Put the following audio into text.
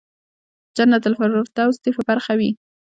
جنت الفردوس دې په برخه وي.